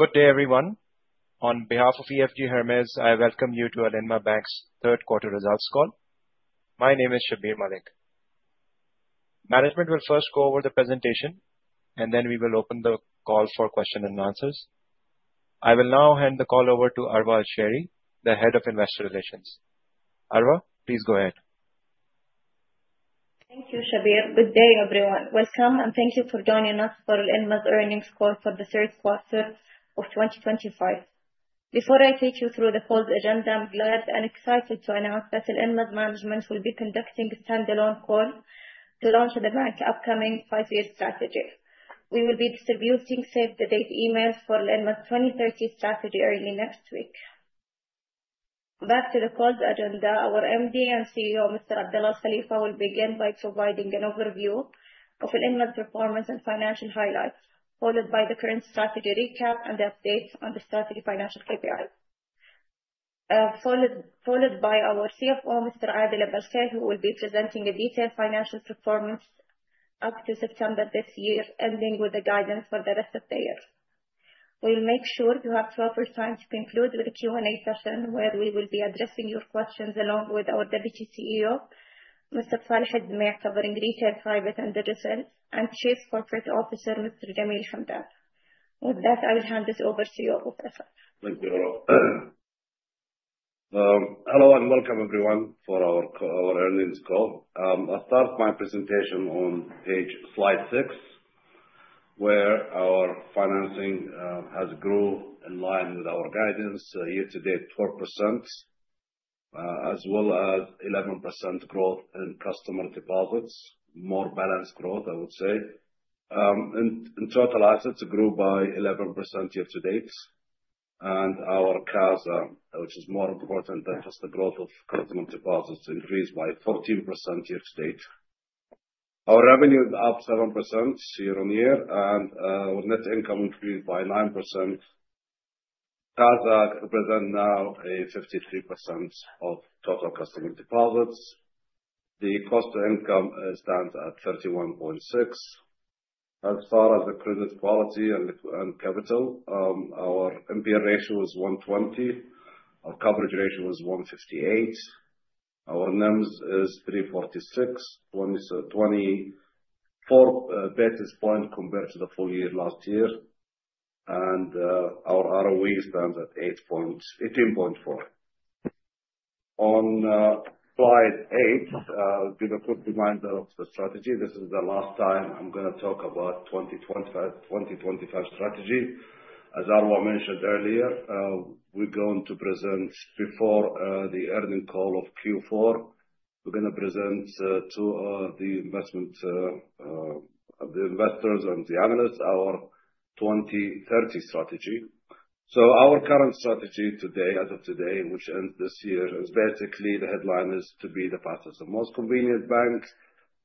Good day, everyone. On behalf of EFG Hermes, I welcome you to Alinma Bank's third quarter results call. My name is Shabbir Malik. Management will first go over the presentation and then we will open the call for questions and answers. I will now hand the call over to Arwa Alshehri, the Head of Investor Relations. Arwa, please go ahead. Thank you, Shabbir. Good day, everyone. Welcome and thank you for joining us for Alinma's earnings call for the third quarter of 2025. Before I take you through the call's agenda, I'm glad and excited to announce that Alinma management will be conducting a standalone call to launch the bank's upcoming five-year strategy. We will be distributing save the date emails for Alinma's 2030 strategy early next week. Back to the call's agenda. Our MD and CEO, Mr. Abdullah Al-Khalifa, will begin by providing an overview of Alinma's performance and financial highlights, followed by the current strategy recap and the update on the strategy financial KPI. Followed by our CFO, Mr. Adel Abalkhail, who will be presenting a detailed financial performance up to September this year, ending with the guidance for the rest of the year. We'll make sure to have proper time to conclude with a Q&A session where we will be addressing your questions along with our Deputy CEO, Mr. Saleh AlZumaie, covering retail, private, and digital, and Chief Corporate Officer, Mr. Jameel Hamdan. With that, I will hand this over to you, Abdullah Al-Khalifa. Thank you, Arwa. Hello and welcome everyone for our earnings call. I'll start my presentation on slide six, where our financing has grown in line with our guidance, year-to-date, 12%, as well as 11% growth in customer deposits. More balanced growth, I would say. In total assets, it grew by 11% year-to-date. Our CASA, which is more important than just the growth of customer deposits, increased by 14% year-to-date. Our revenue is up 7% year-on-year, and our net income increased by 9%. CASA represent now a 53% of total customer deposits. The cost to income stands at 31.6. As far as the credit quality and capital, our NPL ratio is 120. Our coverage ratio is 158. Our NIMs is 346, 24 basis points compared to the full year last year. Our ROE stands at 18.4. On slide eight, give a quick reminder of the strategy. This is the last time I'm going to talk about 2025 strategy. As Arwa mentioned earlier, we're going to present before the earning call of Q4. We're going to present to the investors and the analysts our 2030 strategy. Our current strategy as of today, which ends this year, is basically the headline is to be the path of the most convenient bank.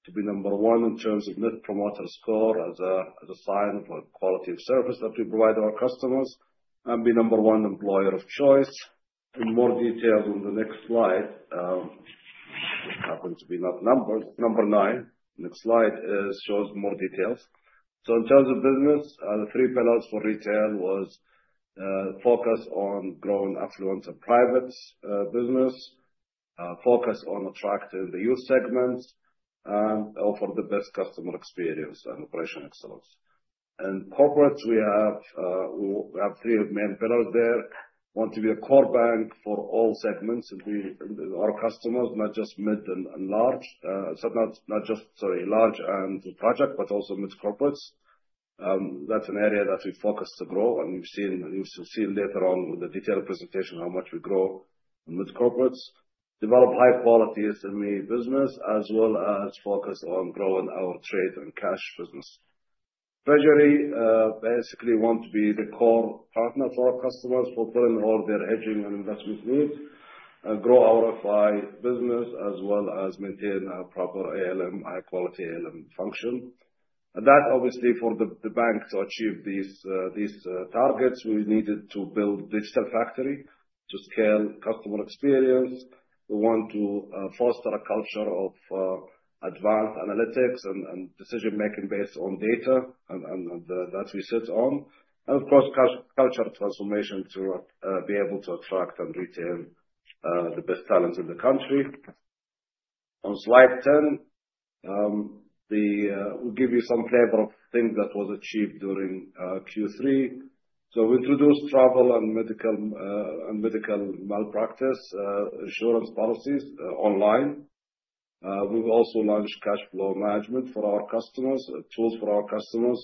To be number one in terms of Net Promoter Score as a sign for quality of service that we provide our customers, and be number one employer of choice. In more detail in the next slide, which happens to be not numbered. Number nine, next slide, shows more details. In terms of business, the three pillars for retail was focus on growing affluent and privates business, focus on attracting the youth segments, and offer the best customer experience and operational excellence. In corporates, we have three main pillars there. Want to be a core bank for all segments and our customers, not just, sorry, large and project, but also mid-corporates. That's an area that we focus to grow and you'll see later on with the detailed presentation how much we grow mid-corporates. Develop high quality SME business as well as focus on growing our trade and cash business. Treasury, basically want to be the core partner to our customers, fulfilling all their hedging and investment needs, and grow our FI business, as well as maintain a proper ALM, high quality ALM function. That obviously for the bank to achieve these targets, we needed to build digital factory to scale customer experience. We want to foster a culture of advanced analytics and decision-making based on data, and that we set on. Of course, culture transformation to be able to attract and retain the best talents in the country. On slide 10, we give you some flavor of things that was achieved during Q3. We introduced travel and medical malpractice insurance policies online. We've also launched cash flow management for our customers, tools for our customers.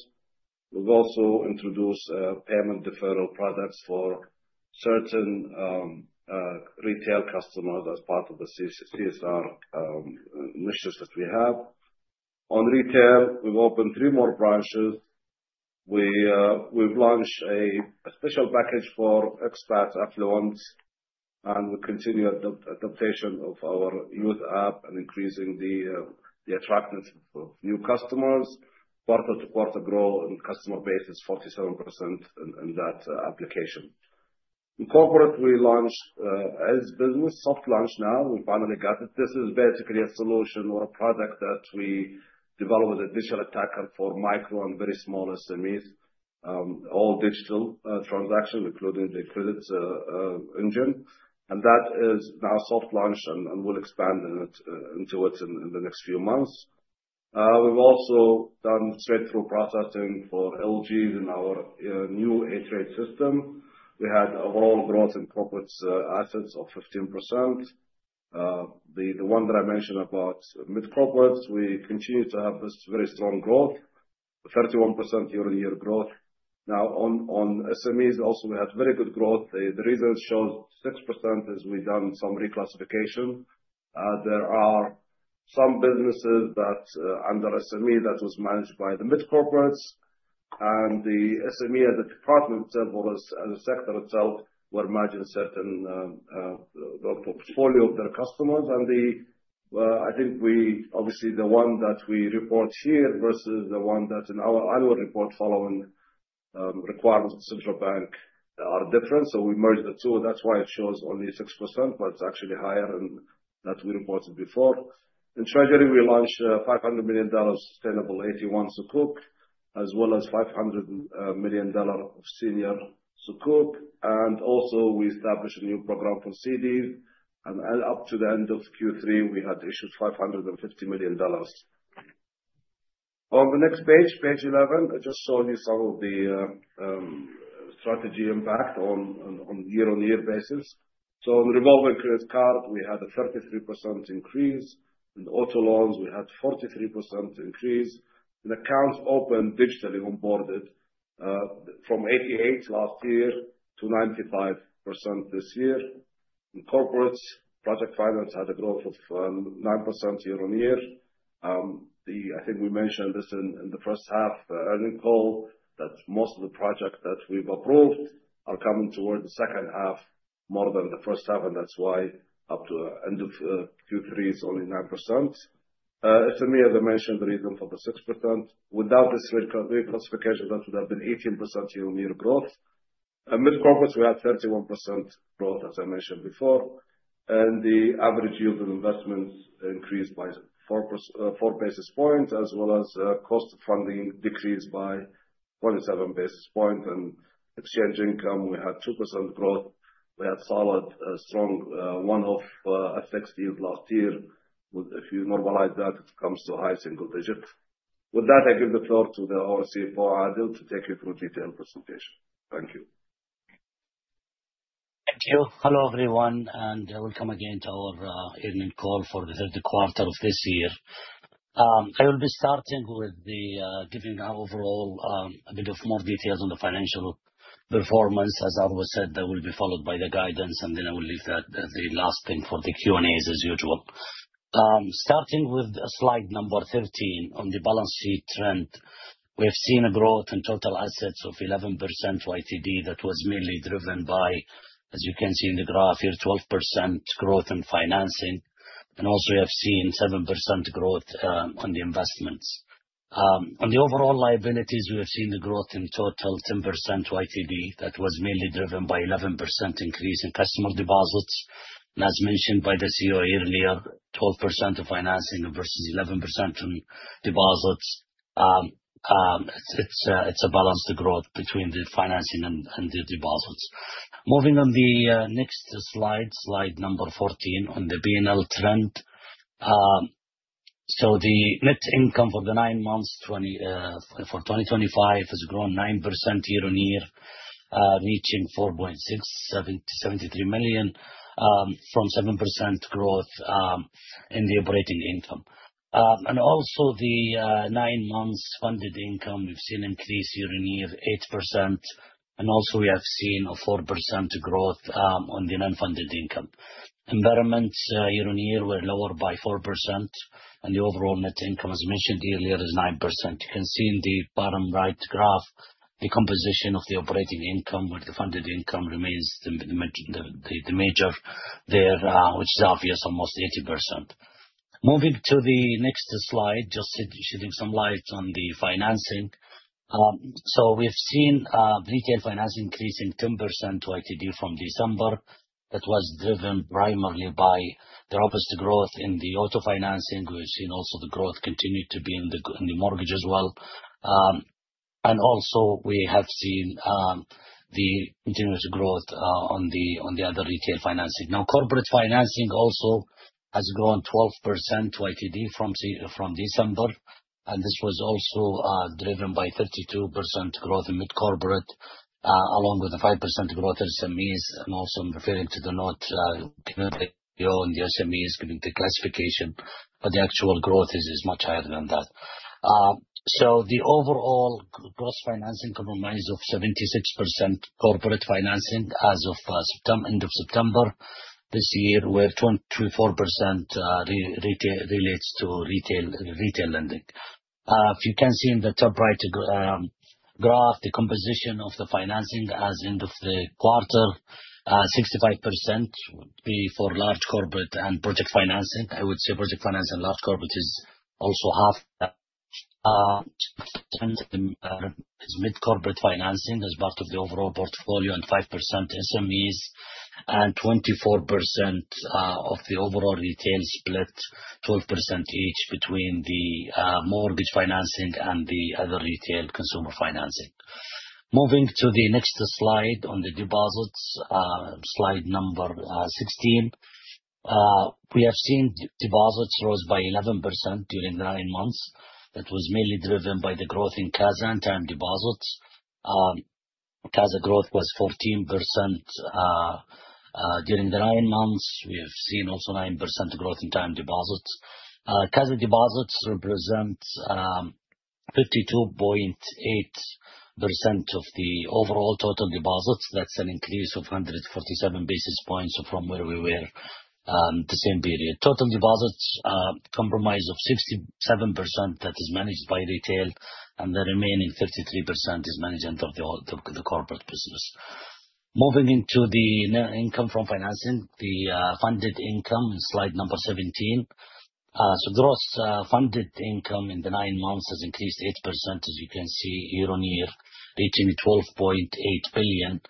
We've also introduced payment deferral products for certain retail customers as part of the CSR initiatives that we have. On retail, we've opened three more branches. We've launched a special package for expat affluent, and we continue adaptation of our youth app and increasing the attractiveness of new customers. Quarter-to-quarter growth in customer base is 47% in that application. In corporate we launched as business soft launch now we finally got it. This is basically a solution or a product that we developed with a digital attacker for micro and very small SMEs. All digital transaction, including the credits engine. That is now soft launched and we'll expand into it in the next few months. We've also done straight-through processing for LCs in our new HR system. We had overall growth in corporates assets of 15%. The one that I mentioned about mid-corporates, we continue to have this very strong growth, 31% year-on-year growth. Now on SMEs also we had very good growth. The reasons showed 6% as we done some reclassification. There are some businesses that under SME that was managed by the mid-corporates. The SME as a department itself or as a sector itself will merge in certain portfolio of their customers. I think obviously the one that we report here versus the one that in our annual report following requirements of the central bank are different. We merged the two. That's why it shows only 6%, but it is actually higher than that we reported before. In treasury, we launched a $500 million sustainable AT1 Sukuk as well as $500 million senior Sukuk. Also we established a new program for CDs. Up to the end of Q3, we had issued $550 million. On the next page 11, I just showed you some of the strategy impact on year-on-year basis. In revolving credit card we had a 33% increase. In auto loans we had 43% increase. In accounts opened digitally onboarded from 88 last year to 95% this year. In corporates, project finance had a growth of 9% year-on-year. I think we mentioned this in the first half earnings call that most of the projects that we have approved are coming toward the second half more than the first half, and that's why up to end of Q3, it is only 9%. SME, as I mentioned, the reason for the 6%. Without this reclassification, that would have been 18% year-on-year growth. In mid-corporates we had 31% growth, as I mentioned before. The average yield on investments increased by four basis points, as well as cost of funding decreased by 27 basis point. Exchange income, we had 2% growth. We had solid strong one-off effects yield last year. If you normalize that, it comes to high single digits. With that, I give the floor to our CFO, Adel, to take you through detailed presentation. Thank you. Thank you. Hello, everyone, and welcome again to our earnings call for the third quarter of this year. I will be starting with giving our overall a bit of more details on the financial performance. As Arwa said, that will be followed by the guidance, and then I will leave the last thing for the Q&A as usual. Starting with slide number 13 on the balance sheet trend. We have seen a growth in total assets of 11% YTD that was mainly driven by, as you can see in the graph here, 12% growth in financing. Also we have seen 7% growth on the investments. On the overall liabilities, we have seen a growth in total 10% YTD that was mainly driven by 11% increase in customer deposits. As mentioned by the CEO earlier, 12% of financing versus 11% on deposits. It is a balanced growth between the financing and the deposits. Moving on the next slide number 14 on the P&L trend. The net income for the nine months for 2025 has grown 9% year-on-year, reaching 4.673 million, from 7% growth in the operating income. Also the nine months funded income, we have seen increase year-on-year 8%, also we have seen a 4% growth on the non-funded income. Environment year-on-year were lower by 4%, and the overall net income, as mentioned earlier, is 9%. You can see in the bottom right graph the composition of the operating income where the funded income remains the major there, which is obvious, almost 80%. Moving to the next slide, just shedding some light on the financing. We have seen retail financing increasing 10% YTD from December. That was driven primarily by the robust growth in the auto financing. We have seen also the growth continue to be in the mortgage as well. Also we have seen the continuous growth on the other retail financing. Corporate financing also has grown 12% YTD from December, this was also driven by 32% growth in mid corporate, along with a 5% growth in SMEs, also I am referring to the note given by Jo on the SMEs giving the classification. The actual growth is much higher than that. The overall gross financing comprise of 76% corporate financing as of end of September this year, where 24% relates to retail lending. If you can see in the top right graph the composition of the financing as end of the quarter, 65% would be for large corporate and project financing. I would say project finance and large corporate is also half that mid corporate financing as part of the overall portfolio 5% SMEs, 24% of the overall retail split, 12% each between the mortgage financing and the other retail consumer financing. Moving to the next slide on the deposits, slide number 16. We have seen deposits rose by 11% during the nine months. That was mainly driven by the growth in CASA and time deposits. CASA growth was 14% during the nine months. We have seen also 9% growth in time deposits. CASA deposits represent 32.8% of the overall total deposits. That is an increase of 147 basis points from where we were the same period. Total deposits comprise of 67% that is managed by retail, the remaining 33% is management of the corporate business. Moving into the net income from financing, the funded income in slide number 17. Gross funded income in the nine months has increased 8%, as you can see year-on-year, reaching 12.8 billion.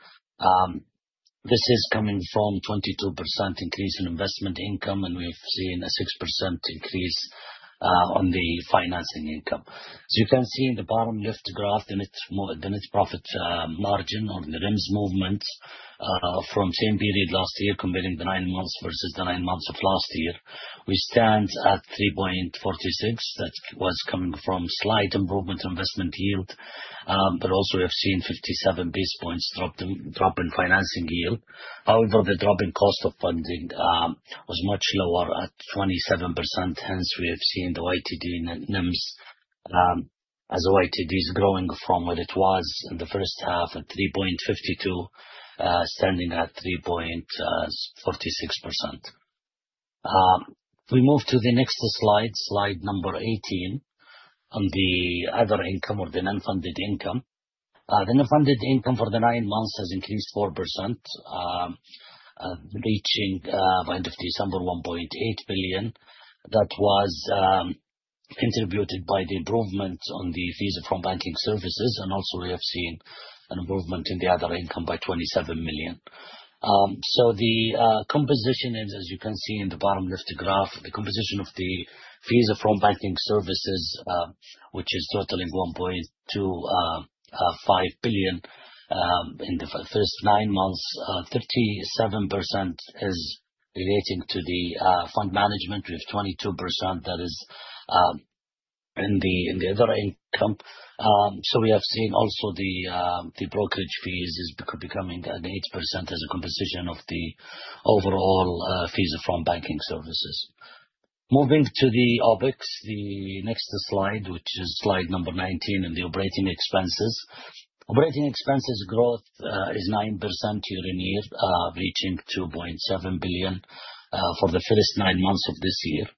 This is coming from 22% increase in investment income, we have seen a 6% increase on the financing income. You can see in the bottom left graph, the net profit margin or the NIMS movement, from same period last year comparing the nine months versus the nine months of last year. We stand at 3.46%. That was coming from slight improvement investment yield. Also we have seen 57 basis points drop in financing yield. However, the drop in cost of funding was much lower at 27%. Hence, we have seen the YTD NIMS as YTD is growing from what it was in the first half at 3.52%, standing at 3.46%. If we move to the next slide 18 on the other income or the non-funded income. The non-funded income for the nine months has increased 4%, reaching by end of December, 1.8 billion. That was contributed by the improvements on the fees from banking services. Also we have seen an improvement in the other income by 27 million. The composition is, as you can see in the bottom left graph, the composition of the fees from banking services, which is totaling 1.25 billion in the first nine months, 37% is relating to the fund management. We have 22% that is in the other income. We have seen also the brokerage fees is becoming at 8% as a composition of the overall fees from banking services. Moving to the OpEx, the next slide, which is slide 19 in the operating expenses. Operating expenses growth is 9% year-on-year, reaching 2.7 billion for the first nine months of this year.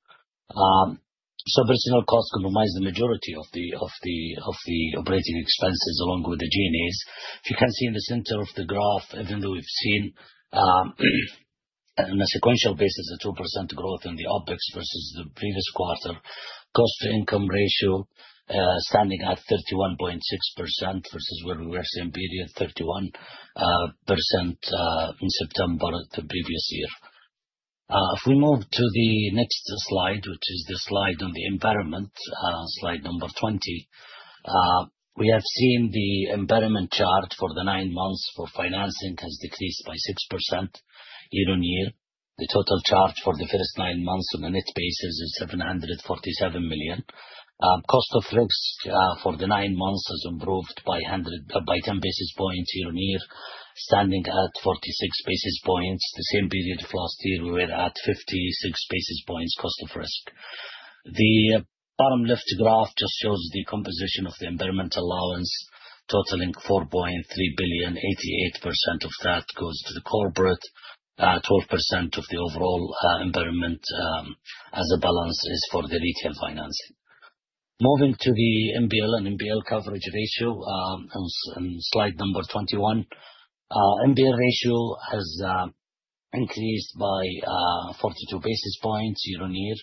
Personnel cost comprise the majority of the operating expenses along with the G&A. If you can see in the center of the graph, even though we've seen in a sequential basis, a 2% growth in the OpEx versus the previous quarter, cost-to-income ratio standing at 31.6% versus where we were same period, 31%, in September the previous year. If we move to the next slide, which is the slide on the impairment, slide 20. We have seen the impairment charge for the nine months for financing has decreased by 6% year-on-year. The total charge for the first nine months on a net basis is 747 million. Cost of risks for the nine months has improved by 10 basis points year-on-year, standing at 46 basis points. The same period of last year, we were at 56 basis points cost of risk. The bottom left graph just shows the composition of the impairment allowance totaling 4.3 billion. 88% of that goes to the corporate, 12% of the overall impairment as a balance is for the retail financing. Moving to the NPL and NPL coverage ratio, on slide 21. NPL ratio has increased by 42 basis points year-on-year,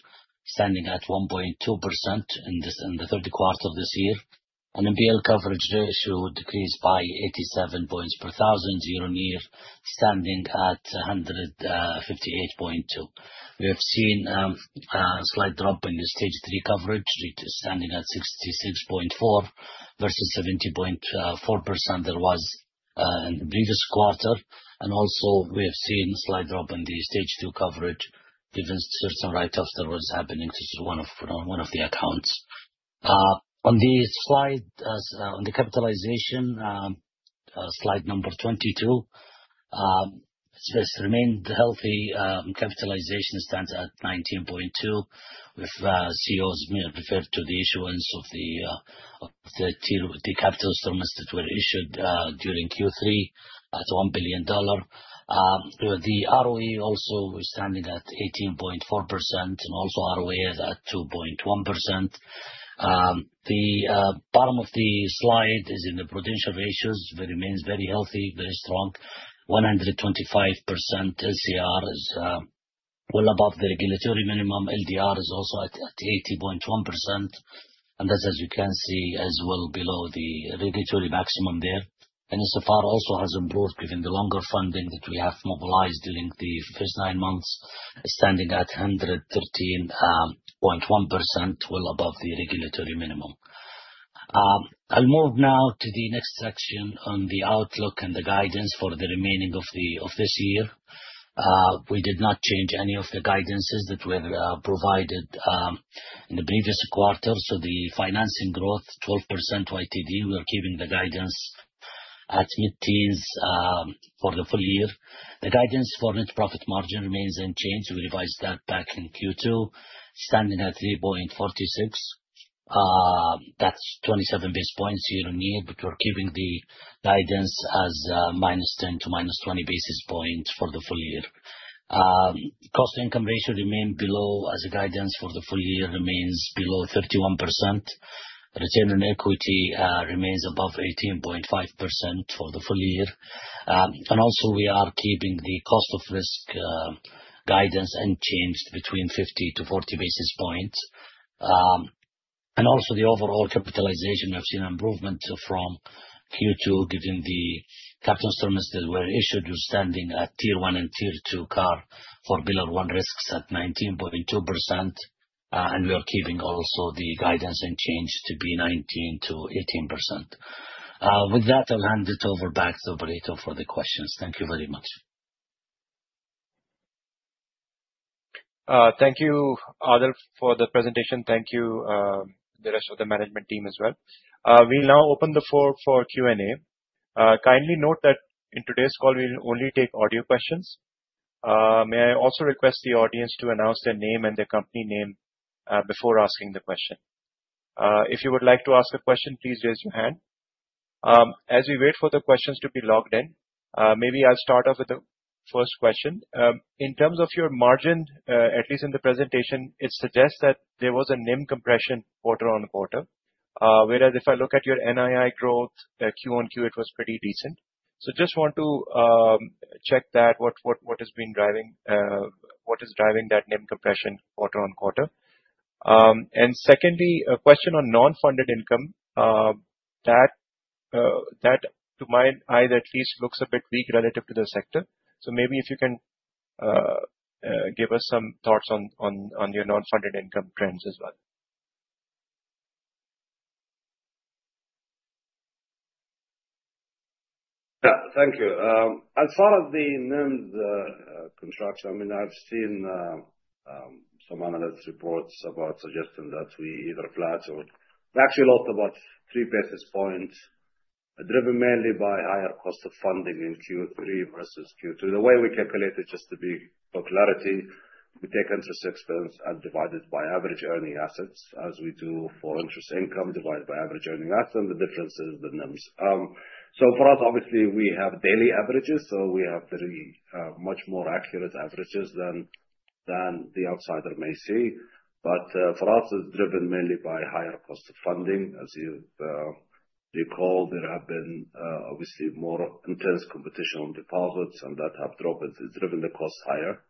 standing at 1.2% in the third quarter of this year. And NPL coverage ratio decreased by 87 points per thousand year-on-year, standing at 158.2. We have seen a slight drop in the Stage 3 coverage standing at 66.4 versus 70.4% that was in the previous quarter. Also we have seen a slight drop in the Stage 2 coverage given certain write-offs that was happening to one of the accounts. On the slide, on the capitalization, slide 22. It has remained healthy. Capitalization stands at 19.2 with CoCo's referred to the issuance of the capital instruments that were issued during Q3 at SAR 1 billion. The ROE also was standing at 18.4%, and also ROA is at 2.1%. The bottom of the slide is in the prudential ratios. It remains very healthy, very strong. 125% LCR is well above the regulatory minimum. LDR is also at 80.1%, and that is, as you can see, as well below the regulatory maximum there. So far also has improved given the longer funding that we have mobilized during the first nine months, standing at 113.1%, well above the regulatory minimum. I'll move now to the next section on the outlook and the guidance for the remaining of this year. We did not change any of the guidances that were provided in the previous quarter. The financing growth 12% YTD, we are keeping the guidance at mid-teens for the full year. The guidance for net profit margin remains unchanged. We revised that back in Q2, standing at 3.46. That's 27 basis points year-on-year, we're keeping the guidance as -10 to -20 basis points for the full year. Cost-to-income ratio remain below as a guidance for the full year, remains below 31%. Return on equity remains above 18.5% for the full year. Also we are keeping the cost of risk guidance unchanged between 50 to 40 basis points. Also the overall capitalization, we have seen an improvement from Q2 given the capital instruments that were issued with standing at Tier 1 and Tier 2 CAR for Pillar 1 risks at 19.2%. We are keeping also the guidance unchanged to be 19%-18%. With that, I'll hand it over back to Oberto for the questions. Thank you very much. Thank you, Adel, for the presentation. Thank you the rest of the management team as well. We'll now open the floor for Q&A. Kindly note that in today's call, we'll only take audio questions. May I also request the audience to announce their name and their company name before asking the question. If you would like to ask a question, please raise your hand. As we wait for the questions to be logged in, maybe I'll start off with the first question. In terms of your margin, at least in the presentation, it suggests that there was a NIM compression quarter-on-quarter. Whereas if I look at your NII growth, QoQ, it was pretty decent. Just want to check that, what has been driving that NIM compression quarter-on-quarter? Secondly, a question on non-funded income. That to my eyes at least looks a bit weak relative to the sector. Maybe if you can give us some thoughts on your non-funded income trends as well. Yeah. Thank you. As far as the NIMs construction, I've seen some analyst reports about suggesting that we either flat or we actually lost about three basis points, driven mainly by higher cost of funding in Q3 versus Q2. The way we calculate it, just to be for clarity, we take interest expense and divide it by average earning assets as we do for interest income divided by average earning assets, and the difference is the NIMs. For us, obviously we have daily averages, we have very much more accurate averages than the outsider may see. For us, it's driven mainly by higher cost of funding. As you recall, there have been obviously more intense competition on deposits, and that has driven the costs higher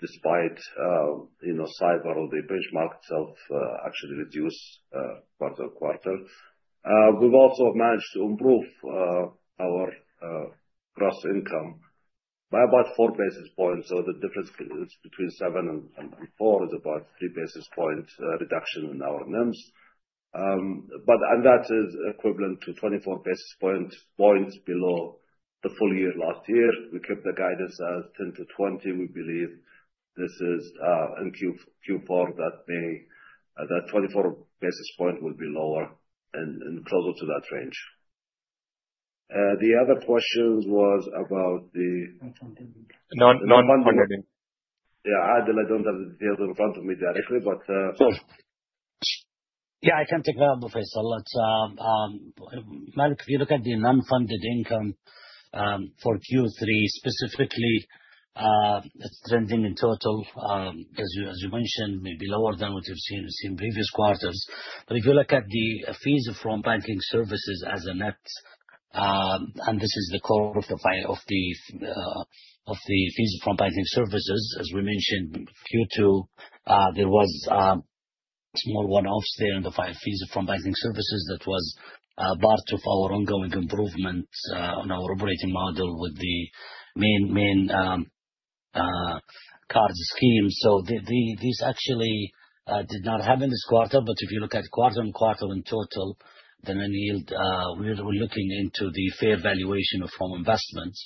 despite SAIBOR or the benchmark itself actually reduce quarter-on-quarter. We've also managed to improve our gross income by about four basis points. The difference is between seven and four is about three basis points reduction in our NIMs. That is equivalent to 24 basis points below the full year last year. We kept the guidance at 10 to 20. We believe this is, in Q4, that 24 basis point will be lower and closer to that range. The other questions was about the. Non-funded income. Yeah. Adel, I don't have the details in front of me directly. Sure. Yeah, I can take that, Abu Faisal. If you look at the non-funded income for Q3 specifically, it's trending in total, as you mentioned, maybe lower than what you've seen in previous quarters. If you look at the fees from banking services as a net, and this is the core of the fees from banking services. As we mentioned in Q2, there was a small one-off there in the fees from banking services that was part of our ongoing improvements on our operating model with the main cards scheme. This actually did not happen this quarter, but if you look at quarter on quarter in total, the yield, we are looking into the fair valuation of home investments.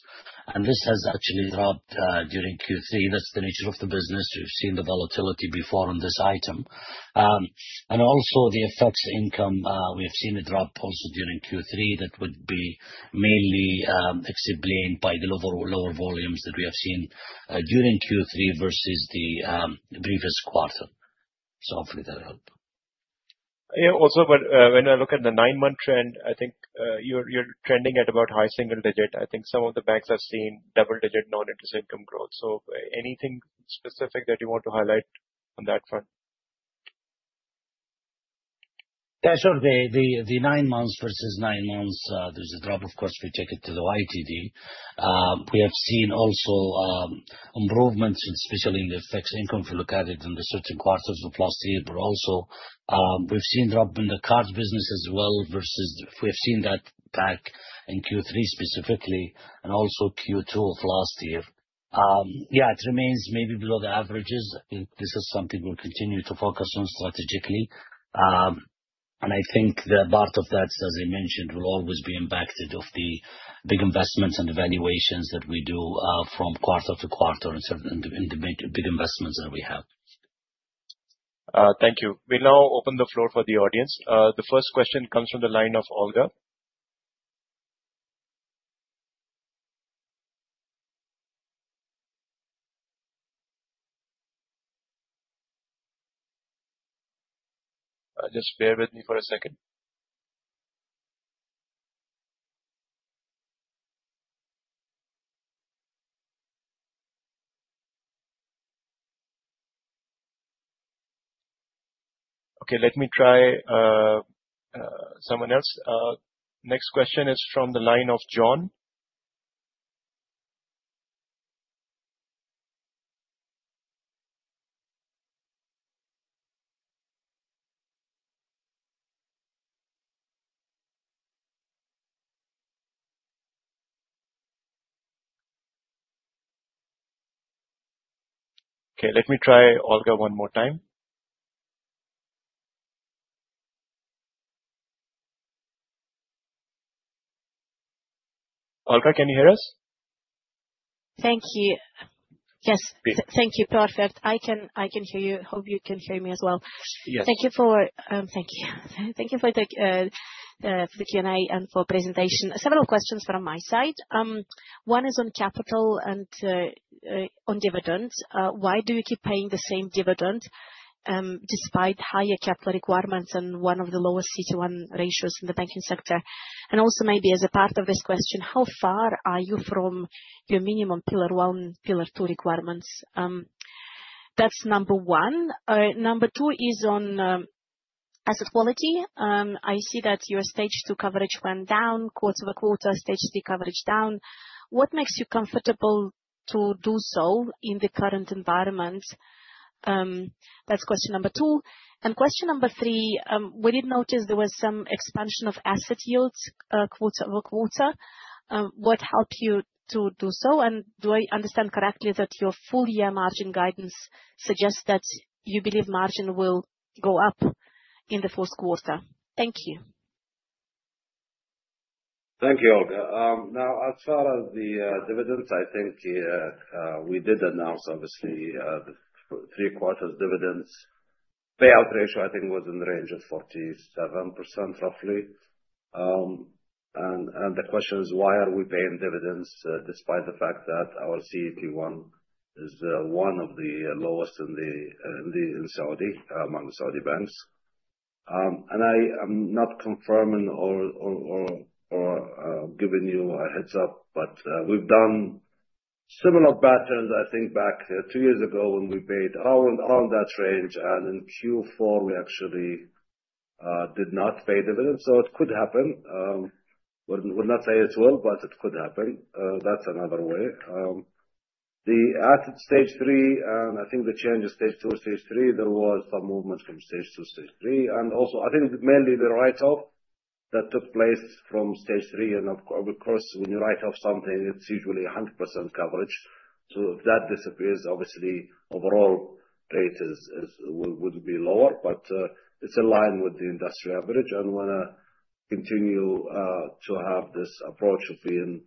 This has actually dropped during Q3. That's the nature of the business. We've seen the volatility before on this item. Also the effects income, we have seen it drop also during Q3. That would be mainly explained by the lower volumes that we have seen during Q3 versus the previous quarter. Hopefully that help. Yeah. Also, when I look at the nine-month trend, I think you're trending at about high single digit. I think some of the banks have seen double-digit non-interest income growth. Anything specific that you want to highlight on that front? Yeah, sure. The nine months versus nine months, there's a drop, of course, if we take it to the YTD. We have seen also improvements, especially in the fixed income, if you look at it in the certain quarters of last year. Also, we've seen drop in the card business as well, we've seen that back in Q3 specifically, and also Q2 of last year. Yeah, it remains maybe below the averages. I think this is something we'll continue to focus on strategically. I think that part of that, as I mentioned, will always be impacted of the big investments and evaluations that we do from quarter to quarter and certain big investments that we have. Thank you. We now open the floor for the audience. The first question comes from the line of Olga. Just bear with me for a second. Okay, let me try someone else. Next question is from the line of Jon. Okay, let me try Olga one more time. Olga, can you hear us? Thank you. Yes. Thank you. Perfect. I can hear you. Hope you can hear me as well. Yes. Thank you. Thank you for the Q&A and for presentation. Several questions from my side. One is on capital and on dividends. Why do you keep paying the same dividend, despite higher capital requirements and one of the lowest CET1 ratios in the banking sector? Also maybe as a part of this question, how far are you from your minimum pillar 1, pillar 2 requirements? That's number one. Number two is on asset quality. I see that your Stage 2 coverage went down quarter-over-quarter, Stage 3 coverage down. What makes you comfortable to do so in the current environment? That's question number two. Question number three, we did notice there was some expansion of asset yields quarter-over-quarter. What helped you to do so? Do I understand correctly that your full year margin guidance suggests that you believe margin will go up in the fourth quarter? Thank you. Thank you, Olga. Now, as far as the dividends, I think we did announce, obviously, the three quarters dividends. Payout ratio, I think, was in the range of 47%, roughly. The question is, why are we paying dividends despite the fact that our CET1 is one of the lowest among the Saudi banks? I am not confirming or giving you a heads up, but we've done similar patterns, I think, back two years ago when we paid around that range, and in Q4 we actually did not pay dividends. It could happen. Would not say it will, but it could happen. That's another way. At Stage 3, I think the change of Stage 2, Stage 3, there was some movement from Stage 2 to Stage 3, and also, I think mainly the write-off that took place from Stage 3. Of course, when you write off something, it's usually 100% coverage. If that disappears, obviously overall rate would be lower. It's in line with the industry average, and we want to continue to have this approach of being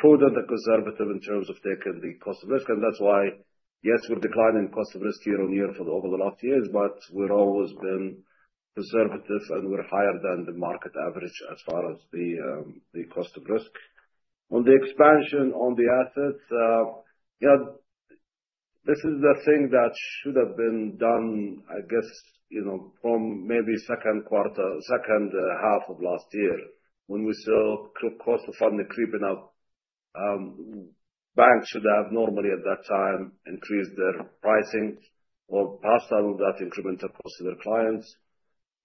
prudent and conservative in terms of taking the cost of risk. That's why, yes, we're declining cost of risk year-on-year for over the last years, but we've always been conservative, and we're higher than the market average as far as the cost of risk. On the expansion on the assets, this is the thing that should have been done, I guess, from maybe second half of last year when we saw cost of funding creeping up. Banks should have normally at that time increased their pricing or passed some of that increment across to their clients.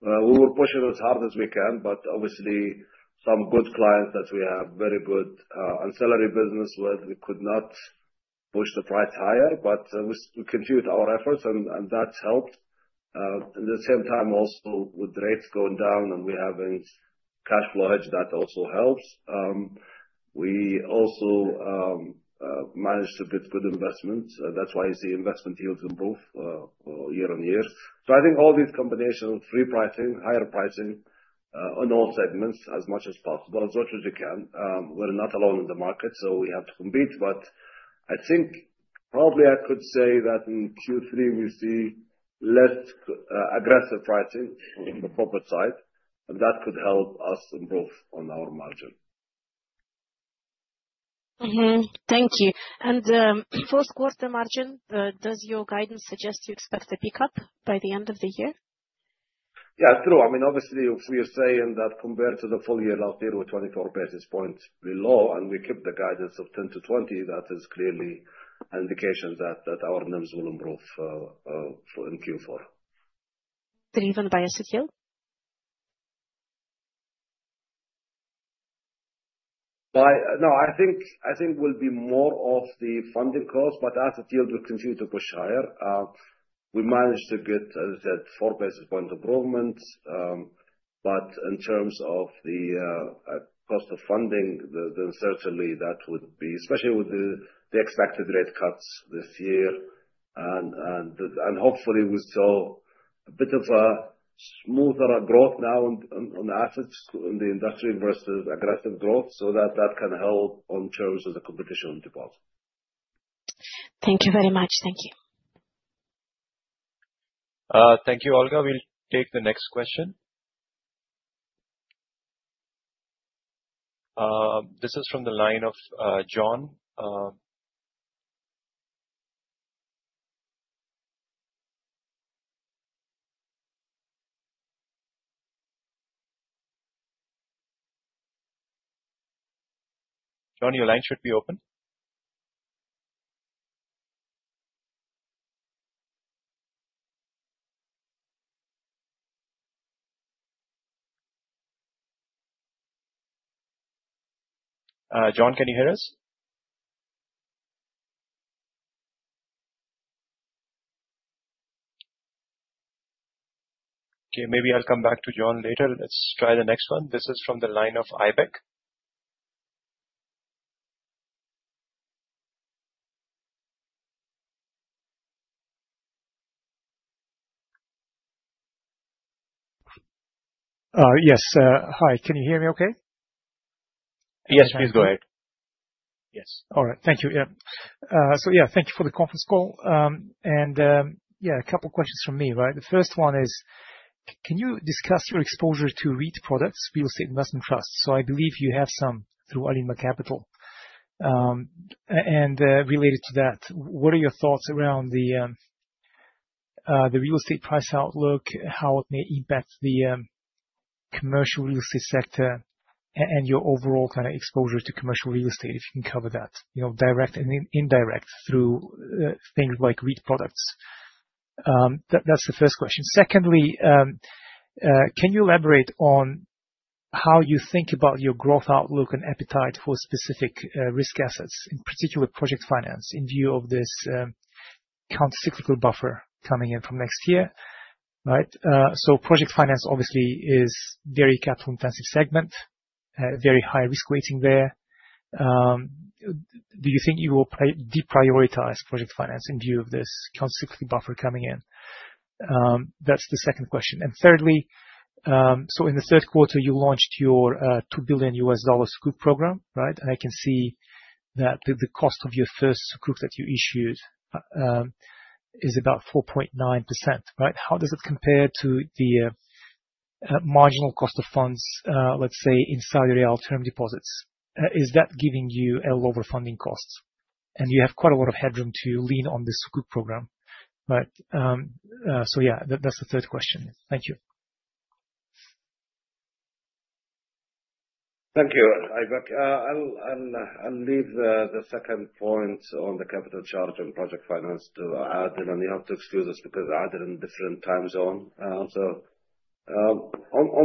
We will push it as hard as we can, but obviously some good clients that we have very good ancillary business with, we could not push the price higher. We continued our efforts, and that's helped. At the same time, also with rates going down and we have a cash flow hedge, that also helps. We also managed to get good investments. That's why you see investment yields improve year-on-year. I think all these combination of free pricing, higher pricing on all segments, as much as possible, as much as you can. We're not alone in the market, so we have to compete. I think probably I could say that in Q3 we see less aggressive pricing in the profit side, and that could help us improve on our margin. Mm-hmm. Thank you. Fourth quarter margin, does your guidance suggest you expect a pickup by the end of the year? Yeah, true. If we are saying that compared to the full year last year, we're 24 basis points below, we keep the guidance of 10 to 20, that is clearly an indication that our numbers will improve in Q4. Three from Bayan Sukheel. No, I think will be more of the funding cost, as the yield will continue to push higher, we managed to get, as I said, four basis point improvement. In terms of the cost of funding, certainly that would be, especially with the expected rate cuts this year, and hopefully we saw a bit of a smoother growth now on the assets in the industry versus aggressive growth. That can help in terms of the competition department. Thank you very much. Thank you. Thank you, Olga. We'll take the next question. This is from the line of Jon. Jon, your line should be open. Jon, can you hear us? Okay, maybe I'll come back to Jon later. Let's try the next one. This is from the line of Ibek. Yes. Hi, can you hear me okay? Yes, please go ahead. Yes. All right. Thank you. Yeah. Thank you for the conference call. Yeah, a couple questions from me. The first one is, can you discuss your exposure to REIT products, real estate investment trusts? I believe you have some through Alinma Capital. Related to that, what are your thoughts around the real estate price outlook, how it may impact the commercial real estate sector and your overall exposure to commercial real estate, if you can cover that, direct and indirect through things like REIT products. That's the first question. Secondly, can you elaborate on how you think about your growth outlook and appetite for specific risk assets, in particular project finance, in view of this countercyclical buffer coming in from next year. Project finance obviously is very capital-intensive segment, very high risk weighting there. Do you think you will deprioritize project finance in view of this countercyclical buffer coming in? That's the second question. Thirdly, in the third quarter, you launched your $2 billion Sukuk program. I can see that the cost of your first Sukuk that you issued is about 4.9%. How does it compare to the marginal cost of funds, let's say, in SAR term deposits? Is that giving you a lower funding cost? You have quite a lot of headroom to lean on this Sukuk program. Yeah, that's the third question. Thank you. Thank you, Ibek. I'll leave the second point on the capital charge on project finance to Adel, and you have to excuse us because Adel is in a different time zone. On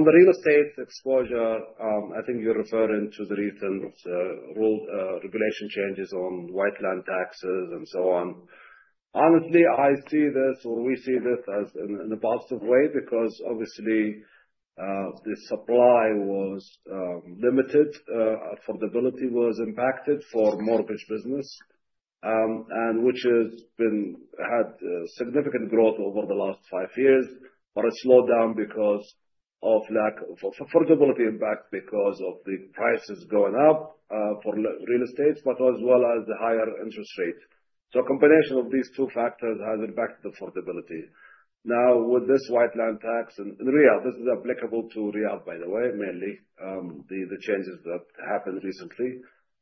the real estate exposure, I think you're referring to the recent regulation changes on white land taxes and so on. Honestly, I see this, or we see this as in a positive way because obviously, the supply was limited, affordability was impacted for mortgage business, which has had significant growth over the last five years. It slowed down because of affordability impact, because of the prices going up for real estate, as well as the higher interest rate. A combination of these two factors has impacted affordability. With this white land tax, in SAR, this is applicable to SAR, by the way, mainly, the changes that happened recently.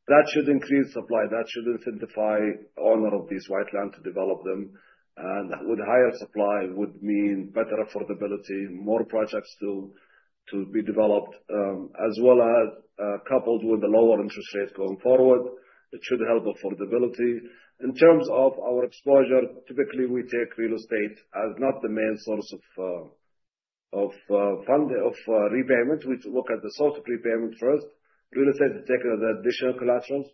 That should increase supply, that should incentivize owner of this white land to develop them. With higher supply would mean better affordability, more projects to be developed, as well as coupled with the lower interest rates going forward, it should help affordability. In terms of our exposure, typically, we take real estate as not the main source of repayment. We look at the source of repayment first. Real estate is taken as additional collaterals,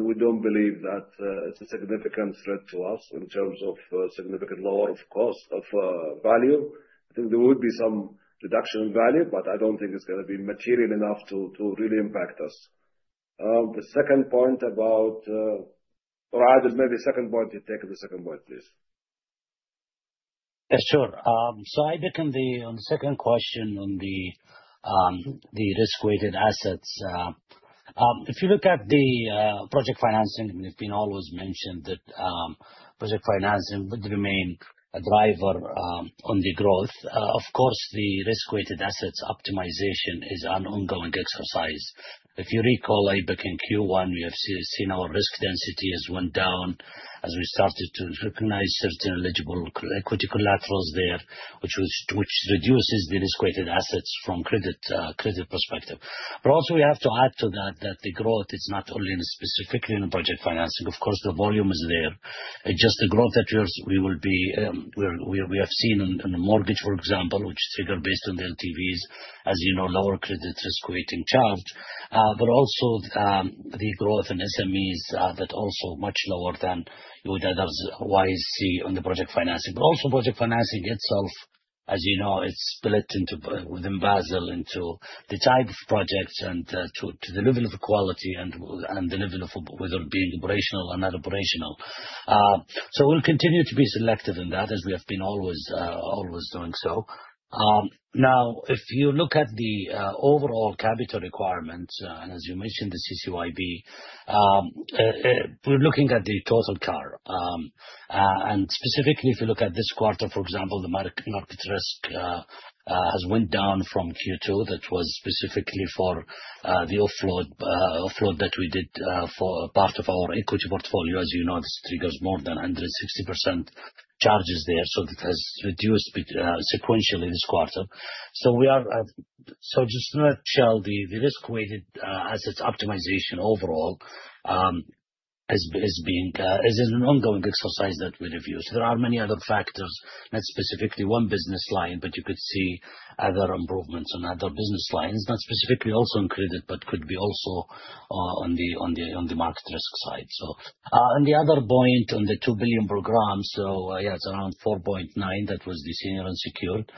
we don't believe that it's a significant threat to us in terms of significant lower of cost of value. I think there would be some reduction in value, but I don't think it's going to be material enough to really impact us. The second point about Adel, maybe second point, you take the second point, please. Yeah, sure. Ibek, on the second question on the risk-weighted assets. If you look at the project financing, we've been always mentioned that project financing would remain a driver on the growth. Of course, the risk-weighted assets optimization is an ongoing exercise. If you recall, Ibek, in Q1, we have seen our risk density has went down as we started to recognize certain eligible equity collaterals there, which reduces the risk-weighted assets from credit perspective. Also we have to add to that the growth is not only in specifically in project financing. Of course, the volume is there. It's just the growth that we have seen in mortgage, for example, which is figure based on the LTVs, as you know, lower credit risk weighting charge. Also, the growth in SMEs that also much lower than you would otherwise see on the project financing. Also project financing itself. As you know, it's split within Basel into the type of projects and to the level of quality, and whether it be operational or not operational. We'll continue to be selective in that, as we have been always doing so. If you look at the overall capital requirements, as you mentioned, the CCYB, we're looking at the total CAR. Specifically, if you look at this quarter, for example, the market risk has went down from Q2, that was specifically for the offload that we did for part of our equity portfolio. As you know, this triggers more than 160% charges there. That has reduced sequentially this quarter. Just to nutshell, the risk-weighted assets optimization overall is an ongoing exercise that we review. There are many other factors, not specifically one business line, but you could see other improvements on other business lines. Not specifically also in credit, but could be also on the market risk side. On the other point, on the 2 billion programs, it's around 4.9. That was the senior unsecured.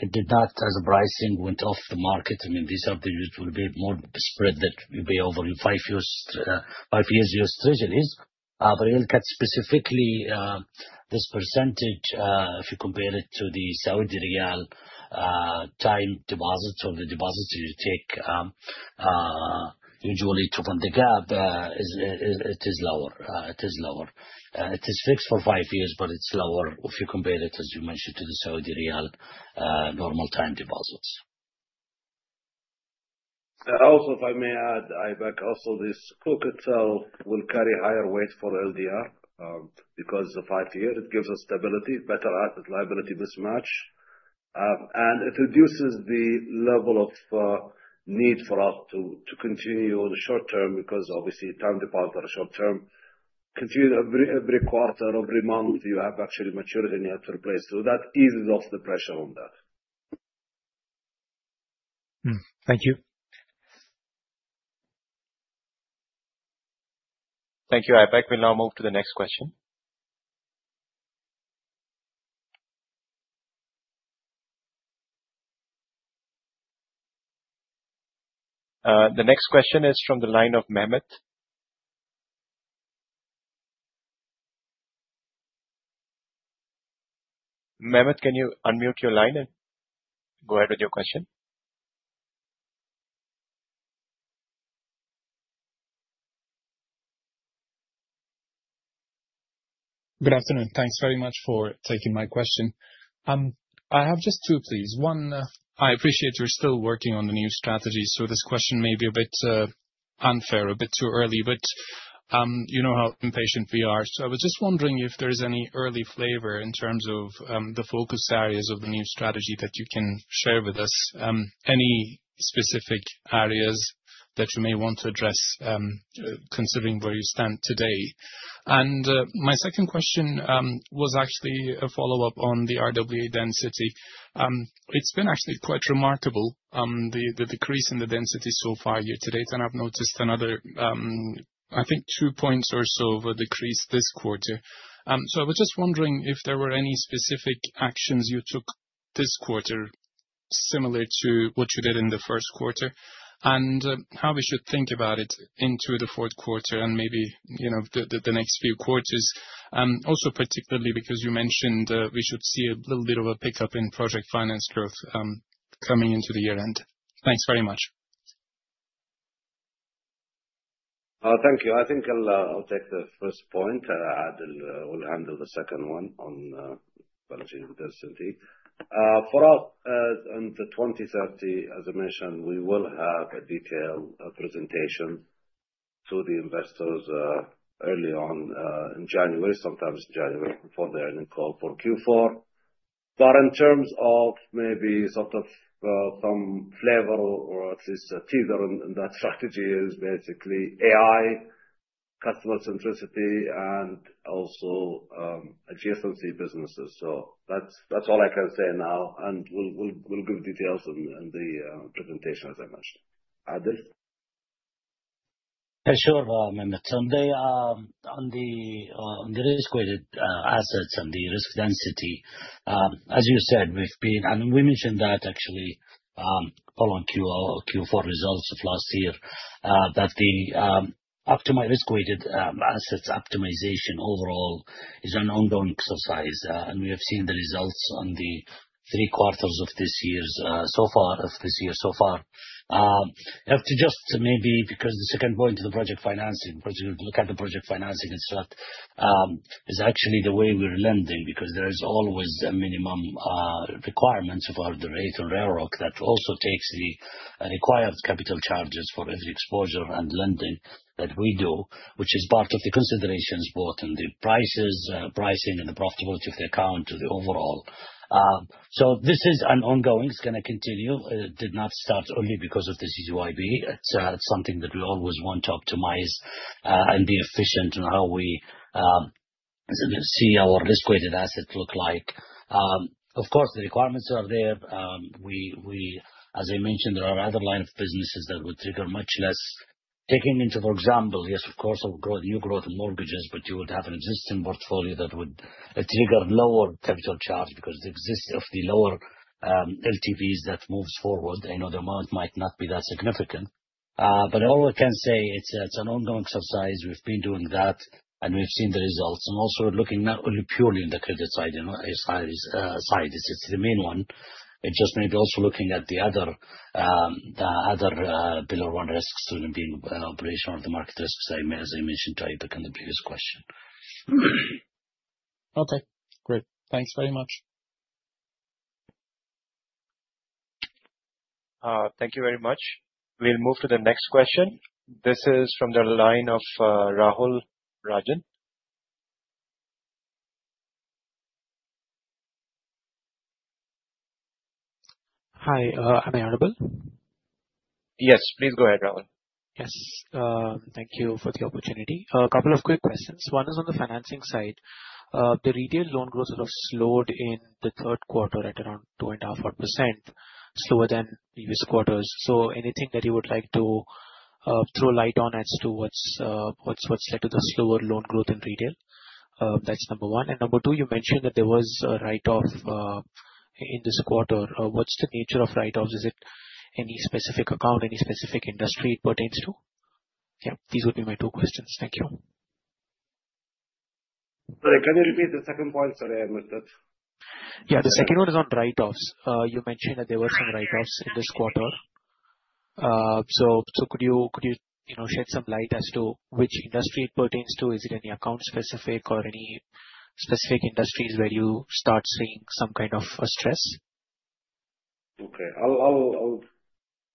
It did not, as pricing went off the market, these are the ones which will be more spread that will be over 5 years US Treasuries. If you look at specifically this percentage, if you compare it to the Saudi Riyal time deposits or the deposits you take usually to fund the gap, it is lower. It is fixed for 5 years, but it's lower if you compare it, as you mentioned, to the Saudi Riyal normal time deposits. If I may add, Aibeck, this CoCo itself will carry higher weight for LDR because of 5-year. It gives us stability, better asset liability mismatch, and it reduces the level of need for us to continue on the short term because obviously time deposits are short term. Continue every quarter or every month, you have actually maturity and you have to replace. That eases off the pressure on that. Thank you. Thank you, Aibeck. We'll now move to the next question. The next question is from the line of Mehmet. Mehmet, can you unmute your line and go ahead with your question? Good afternoon. Thanks very much for taking my question. I have just two, please. One, I appreciate you're still working on the new strategy, this question may be a bit unfair, a bit too early, but you know how impatient we are. I was just wondering if there is any early flavor in terms of the focus areas of the new strategy that you can share with us. Any specific areas that you may want to address, considering where you stand today? My second question was actually a follow-up on the RWA density. It's been actually quite remarkable, the decrease in the density so far year to date, and I've noticed another, I think, two points or so of a decrease this quarter. I was just wondering if there were any specific actions you took this quarter similar to what you did in the first quarter, and how we should think about it into the fourth quarter and maybe the next few quarters. Also, particularly because you mentioned we should see a little bit of a pickup in project finance growth coming into the year-end. Thanks very much. Thank you. I think I'll take the first point. Adel will handle the second one on managing density. For us, in the 2030, as I mentioned, we will have a detailed presentation to the investors early on in January, sometimes January before the annual call for Q4. In terms of maybe sort of some flavor or at least a teaser in that strategy is basically AI, customer centricity, and also adjacent businesses. That's all I can say now, and we'll give details in the presentation, as I mentioned. Adel? Sure, Mehmet. On the risk-weighted assets and the risk density, as you said, we mentioned that actually following Q4 results of last year, that the risk-weighted assets optimization overall is an ongoing exercise. We have seen the results on the three quarters of this year so far. I have to just maybe, because the second point is the project financing. Once you look at the project financing, it's actually the way we're lending, because there is always a minimum requirements of our rate on RAROC that also takes the required capital charges for every exposure and lending that we do, which is part of the considerations both in the pricing and the profitability of the account to the overall. This is an ongoing, it's going to continue. It did not start only because of the CCYB. It's something that we always want to optimize and be efficient in how we see our risk-weighted assets look like. Of course, the requirements are there. As I mentioned, there are other lines of businesses that would trigger much less Taking into, for example, yes, of course, new growth in mortgages, you would have an existing portfolio that would trigger lower capital charge because the existence of the lower LTVs that moves forward. I know the amount might not be that significant. All I can say, it's an ongoing exercise. We've been doing that, and we've seen the results. Also looking not only purely in the credit side, it's the main one. It just may be also looking at the other pillar 1 risks other than being operational or the market risks, same as I mentioned to you back in the previous question. Okay, great. Thanks very much. Thank you very much. We'll move to the next question. This is from the line of Rahul Rajan. Hi. Am I audible? Yes. Please go ahead, Rahul. Yes. Thank you for the opportunity. A couple of quick questions. One is on the financing side. The retail loan growth sort of slowed in the third quarter at around 2.5%, slower than previous quarters. Anything that you would like to throw light on as to what's led to the slower loan growth in retail? That's number 1. Number 2, you mentioned that there was a write-off in this quarter. What's the nature of write-offs? Is it any specific account, any specific industry it pertains to? Yeah, these would be my two questions. Thank you. Sorry, can you repeat the second point? Sorry, I missed that. Yeah. The second one is on write-offs. You mentioned that there were some write-offs in this quarter. Could you shed some light as to which industry it pertains to? Is it any account specific or any specific industries where you start seeing some kind of stress? Okay. I'll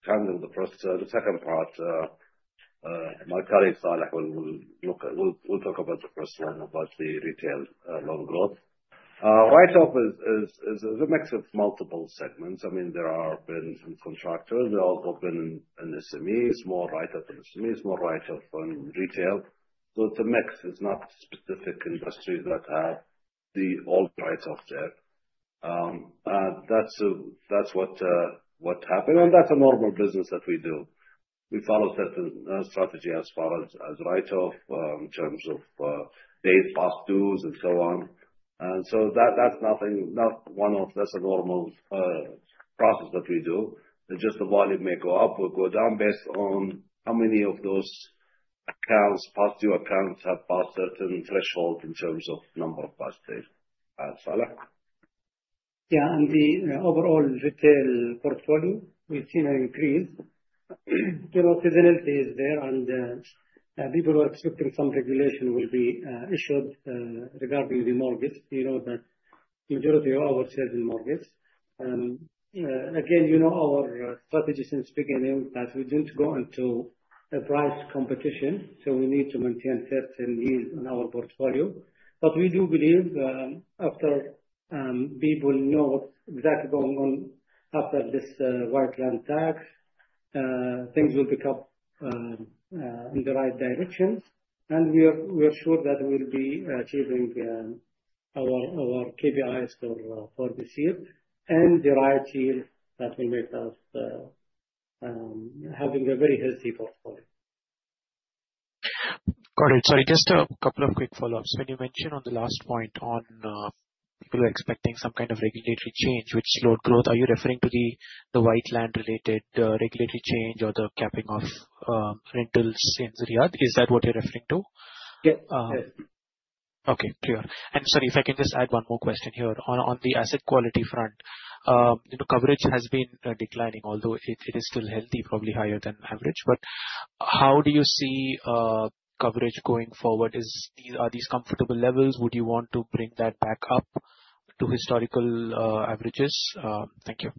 handle the second part. My colleague, Saleh, will talk about the first one, about the retail loan growth. Write-off is a mix of multiple segments. There have been some contractors. There have also been an SME. It's more write-off on SMEs, more write-off on retail. It's a mix. It's not specific industries that have all the write-offs there. That's what happened, and that's a normal business that we do. We follow certain strategy as far as write-off, in terms of days past dues and so on. That's a normal process that we do. It's just the volume may go up or go down based on how many of those accounts, past due accounts, have passed certain thresholds in terms of number of past due. Saleh? Yeah. The overall retail portfolio, we've seen an increase. Seasonality is there, and people are accepting some regulation will be issued regarding the mortgage. You know that majority of our sales are mortgages. Again, you know our strategy since beginning, that we don't go into a price competition, we need to maintain certain yields on our portfolio. We do believe, after people know what's exactly going on after this white land tax, things will pick up in the right directions. We are sure that we'll be achieving our KPIs for this year and the right yield that will make us having a very healthy portfolio. Got it. Sorry, just a couple of quick follow-ups. When you mentioned on the last point on people are expecting some kind of regulatory change which slowed growth, are you referring to the white land related regulatory change or the capping of rentals in Riyadh? Is that what you're referring to? Yes. Okay. Clear. Sorry if I can just add one more question here. On the asset quality front, the coverage has been declining, although it is still healthy, probably higher than average. How do you see coverage going forward? Are these comfortable levels? Would you want to bring that back up to historical averages? Thank you.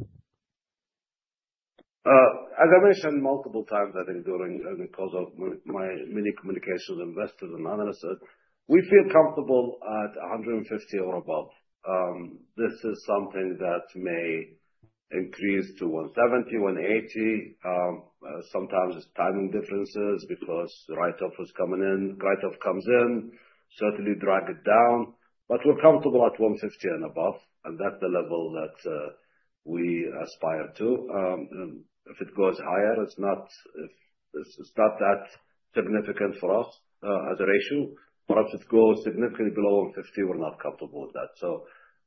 As I mentioned multiple times, I think during many communications with investors and analysts, we feel comfortable at 150 or above. This is something that may increase to 170, 180. Sometimes it's timing differences because the write-off was coming in. Write-off comes in, certainly drag it down. We're comfortable at 160 and above, and that's the level that we aspire to. If it goes higher, it's not that significant for us as a ratio. If it goes significantly below 150, we're not comfortable with that.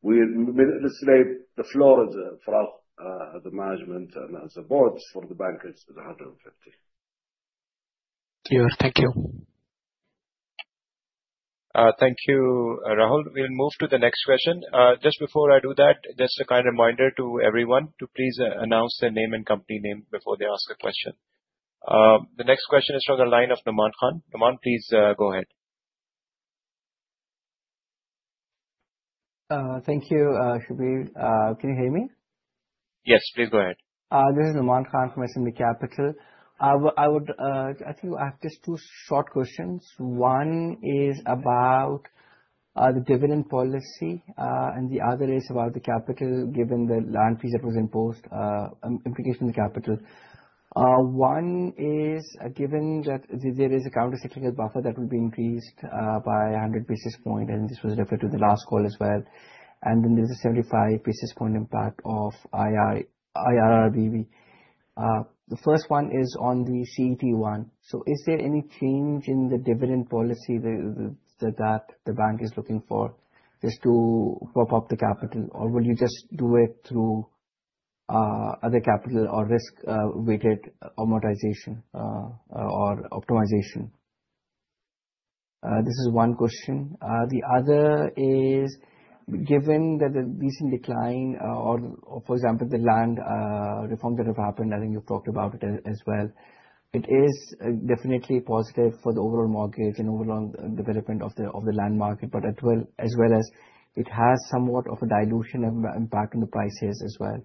We illustrate the floor for us as a management and as a board for the bank is at 150. Clear. Thank you. Thank you, Rahul. We'll move to the next question. Just before I do that, just a kind reminder to everyone to please announce their name and company name before they ask a question. The next question is from the line of Nauman Khan. Nauman, please go ahead. Thank you, Shubhil. Can you hear me? Yes, please go ahead. This is Nauman Khan from SMB Capital. I think I have just two short questions. One is about the dividend policy, and the other is about the capital, given the land fees that was imposed, implication to capital. One is, given that there is a countercyclical buffer that will be increased by 100 basis points, and this was referred to in the last call as well, and then there's a 75 basis points impact of IRRBB. The first one is on the CET1. Is there any change in the dividend policy that the bank is looking for, is to pop up the capital, or will you just do it through other capital or risk-weighted amortization or optimization? This is one question. The other is, given that the recent decline or, for example, the land reforms that have happened, I think you've talked about it as well. It is definitely positive for the overall mortgage and overall development of the land market, as well as it has somewhat of a dilution impact on the prices as well.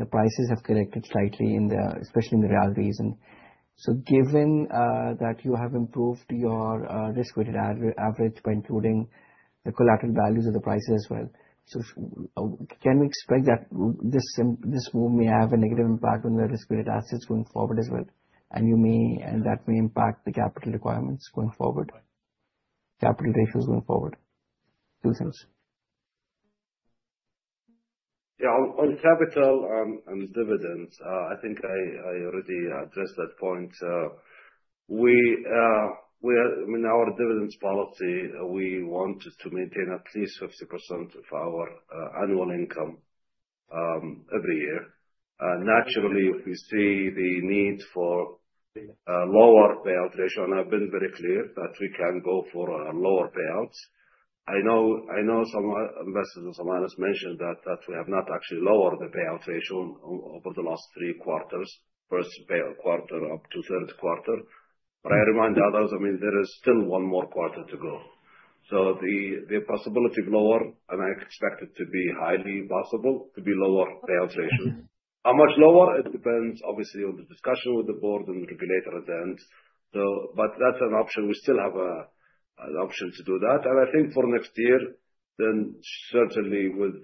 The prices have corrected slightly, especially in the Riyadh region. Given that you have improved your risk-weighted average by including the collateral values of the prices as well. Can we expect that this move may have a negative impact on the risk-weighted assets going forward as well? That may impact the capital requirements going forward? Capital ratios going forward. Two things. On capital and dividends, I think I already addressed that point. In our dividends policy, we want to maintain at least 50% of our annual income every year. Naturally, if we see the need for a lower payout ratio, I've been very clear that we can go for lower payouts. I know some investors and some analysts mentioned that we have not actually lowered the payout ratio over the last three quarters, first payout quarter up to third quarter. I remind others, there is still one more quarter to go. The possibility of lower, and I expect it to be highly possible to be lower payout ratio. How much lower? It depends, obviously, on the discussion with the board and the regulator at the end. That's an option. We still have an option to do that. I think for next year, certainly with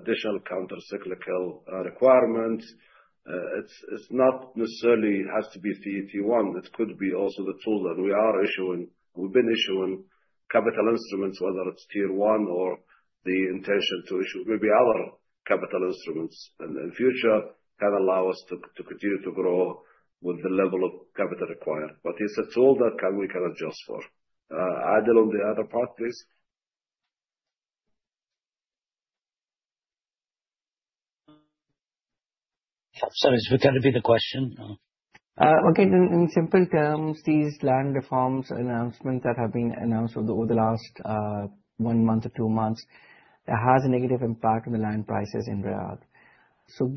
additional countercyclical requirements, it not necessarily has to be CET1. It could be also the tool that we are issuing. We've been issuing capital instruments, whether it's Tier 1 or the intention to issue maybe other capital instruments in the future that allow us to continue to grow with the level of capital required. It's a tool that we can adjust for. Adel, on the other part, please. Sorry, could you repeat the question? Okay. In simple terms, these land reforms announcements that have been announced over the last one month or two months, it has a negative impact on the land prices in Riyadh.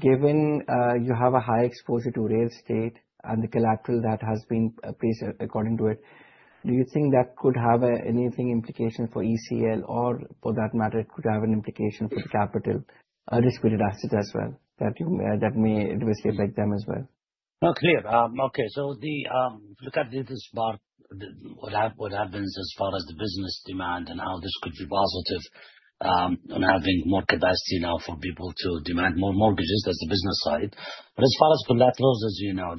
Given you have a high exposure to real estate and the collateral that has been placed according to it, do you think that could have anything implication for ECL or for that matter, it could have an implication for the capital risk-weighted assets as well, that may adversely affect them as well? Oh, clear. Okay. If you look at this part, what happens as far as the business demand and how this could be positive on having more capacity now for people to demand more mortgages, that's the business side. As far as collaterals, as you know,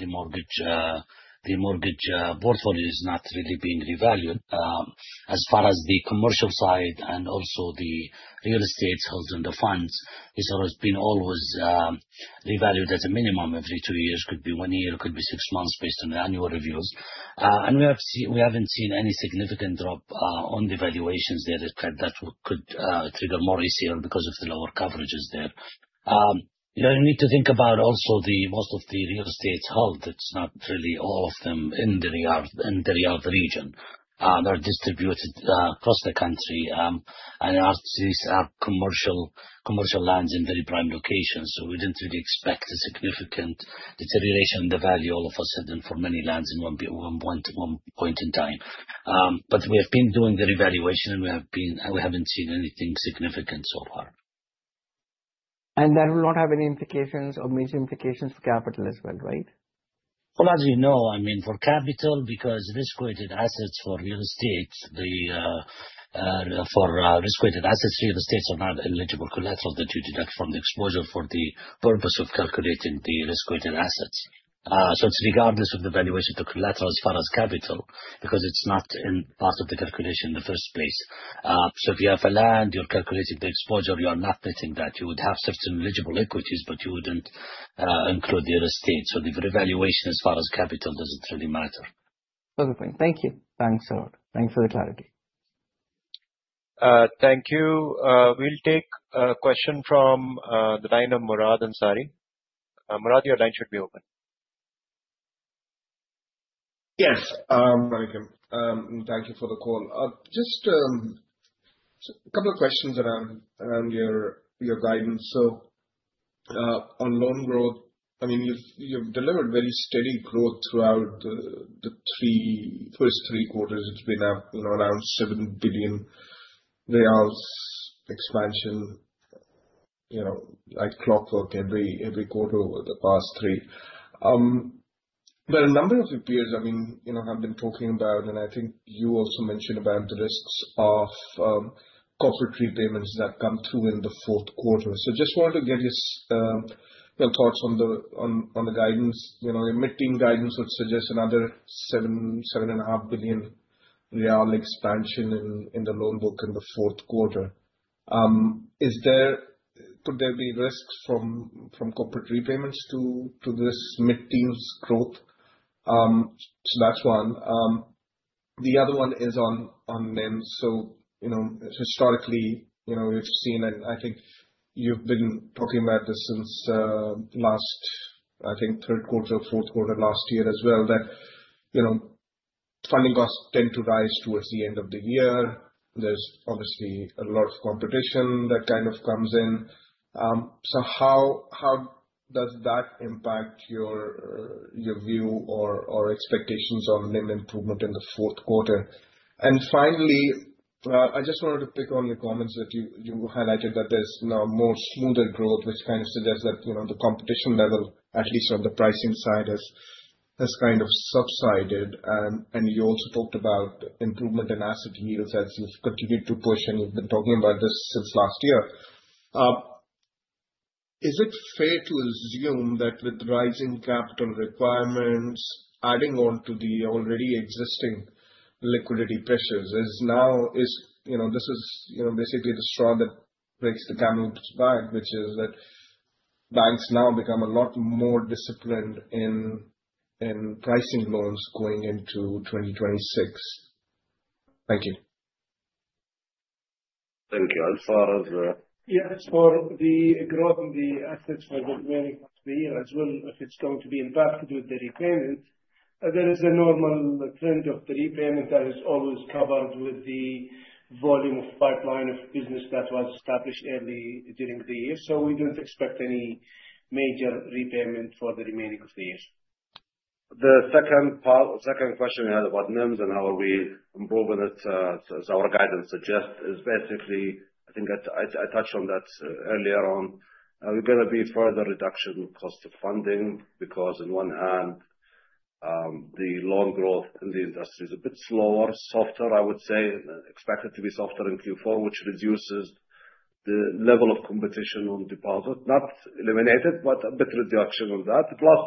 the mortgage portfolio is not really being revalued. As far as the commercial side and also the real estate held in the funds, it's always been revalued at a minimum every two years, could be one year, could be six months based on the annual reviews. We haven't seen any significant drop on the valuations there that could trigger more ECL because of the lower coverages there. You need to think about also the most of the real estate held, it's not really all of them in the Riyadh region. They are distributed across the country, and these are commercial lands in very prime locations. We didn't really expect a significant deterioration in the value all of a sudden for many lands in one point in time. We have been doing the revaluation, and we haven't seen anything significant so far. That will not have any implications or major implications for capital as well, right? Well, as you know, I mean, for capital, because risk-weighted assets for real estate are not eligible collateral that you deduct from the exposure for the purpose of calculating the risk-weighted assets. It's regardless of the valuation of the collateral as far as capital, because it's not in part of the calculation in the first place. If you have a land, you're calculating the exposure, you are not getting that. You would have certain eligible equities, but you wouldn't include real estate. The revaluation as far as capital doesn't really matter. Perfect. Thank you. Thanks a lot. Thanks for the clarity. Thank you. We'll take a question from the line of Murad Ansari. Murad, your line should be open. Yes. Morning. Thank you for the call. Just a couple of questions around your guidance. On loan growth, you've delivered very steady growth throughout the first three quarters. It's been around seven billion Riyals expansion like clockwork every quarter over the past three. A number of your peers have been talking about, and I think you also mentioned about the risks of corporate repayments that come through in the fourth quarter. Just wanted to get your thoughts on the guidance. Your mid-term guidance would suggest another seven and a half billion Riyal expansion in the loan book in the fourth quarter. Could there be risks from corporate repayments to this mid-teens growth? That's one. The other one is on NIM. Historically, we've seen, and I think you've been talking about this since last, I think third quarter, fourth quarter last year as well, that funding costs tend to rise towards the end of the year. There's obviously a lot of competition that kind of comes in. Finally, I just wanted to pick on the comments that you highlighted, that there's now more smoother growth, which kind of suggests that the competition level, at least on the pricing side, has kind of subsided. You also talked about improvement in asset yields as you've continued to push, and we've been talking about this since last year. Is it fair to assume that with rising capital requirements adding on to the already existing liquidity pressures, this is basically the straw that breaks the camel's back, which is that banks now become a lot more disciplined in pricing loans going into 2026. Thank you. Thank you. Far, over to you. For the growth in the assets for the remaining of the year as well, if it's going to be impacted with the repayment, there is a normal trend of the repayment that is always covered with the volume of pipeline of business that was established early during the year. We don't expect any major repayment for the remaining of the year. The second question you had about NIM and how are we improving it, as our guidance suggests, is basically, I think I touched on that earlier on. There are going to be further reduction cost of funding, because on one hand, the loan growth in the industry is a bit slower, softer, I would say. Expected to be softer in Q4, which reduces the level of competition on deposit. Not eliminated, but a bit reduction on that. Plus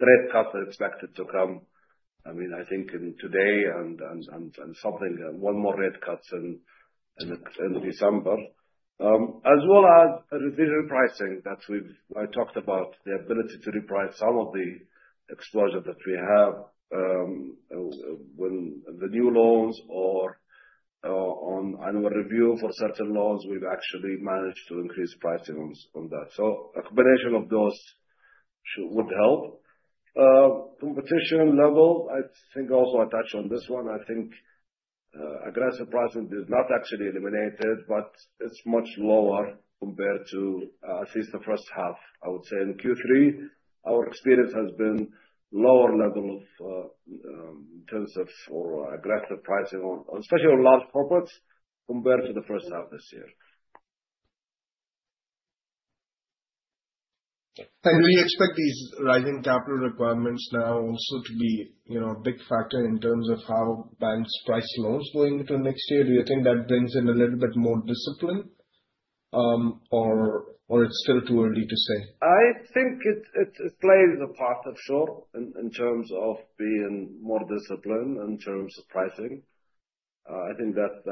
rate cut expected to come, I think, in today and something, one more rate cut in December. As well as revision pricing that I talked about, the ability to reprice some of the exposure that we have. When the new loans or on annual review for certain loans, we've actually managed to increase pricing on that. A combination of those would help. Competition level, I think also I touched on this one. I think aggressive pricing is not actually eliminated, but it's much lower compared to at least the first half. I would say in Q3, our experience has been lower level in terms of aggressive pricing, especially on large corporates, compared to the first half this year. Do you expect these rising capital requirements now also to be a big factor in terms of how banks price loans going into next year? Do you think that brings in a little bit more discipline? It's still too early to say? I think it plays a part, for sure, in terms of being more disciplined in terms of pricing. I think that's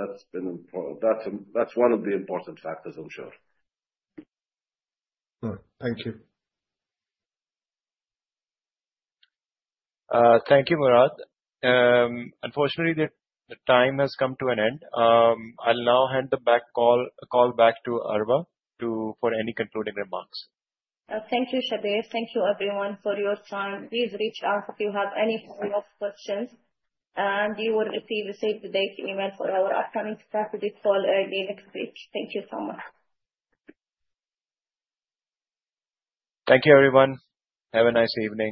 one of the important factors, I'm sure. All right. Thank you. Thank you, Murad. Unfortunately, the time has come to an end. I'll now hand the call back to Arwa for any concluding remarks. Thank you, Shabbir. Thank you, everyone, for your time. Please reach out if you have any follow-up questions, you will receive a save-the-date email for our upcoming strategy call early next week. Thank you so much. Thank you, everyone. Have a nice evening.